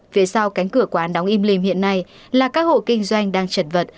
phía sau cánh cửa quán đóng im lìm hiện nay là các hộ kinh doanh đang trật vật